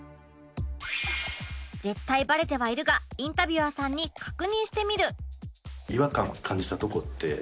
絶対バレてはいるがインタビュアーさんに確認してみる